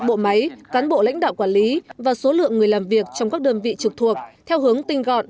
bộ máy cán bộ lãnh đạo quản lý và số lượng người làm việc trong các đơn vị trực thuộc theo hướng tinh gọn